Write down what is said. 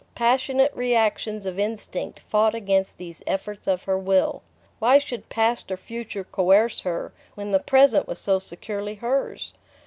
Passionate reactions of instinct fought against these efforts of her will. Why should past or future coerce her, when the present was so securely hers?